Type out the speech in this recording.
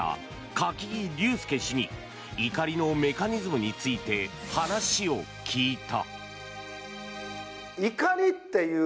柿木隆介氏に怒りのメカニズムについて話を聞いた。